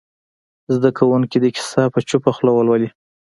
زده کوونکي دې کیسه په چوپه خوله ولولي.